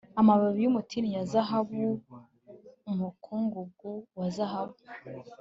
amababi y'umutini ya zahabu, umukungugu wa zahabu